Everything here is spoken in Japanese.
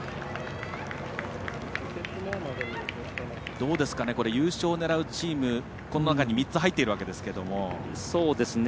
どうですかね、優勝を狙うチームこの中に３つ入っているわけですが。